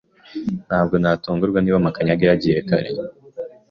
Ntabwo natungurwa niba Makanyaga yagiye kare.